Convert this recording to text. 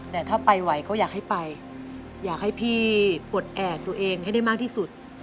แต่ถ้าไปไหวก็อยากให้ไปอยากให้พี่ปลดแอบตัวเองให้ได้มากที่สุด